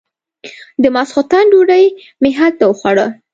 د ماسختن ډوډۍ مې هلته وخوړه.